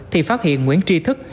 thì phát hiện nguyễn tri thức